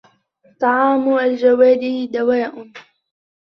طَعَامُ الْجَوَادِ دَوَاءٌ